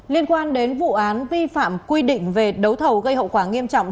liên quan đến vụ án vi phạm quy định về đấu thầu gây hậu quả nghiêm trọng